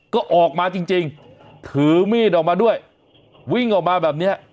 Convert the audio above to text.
ก็ออกมาจริงถือมีดออกมาด้วยวิ่งออกมาแบบเนี้ย